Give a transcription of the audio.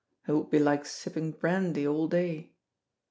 It would be like sipping brandy all day.